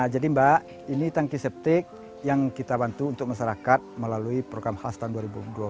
jadi mbak ini tangki septik yang kita bantu untuk masyarakat melalui program khas tahun dua ribu dua puluh satu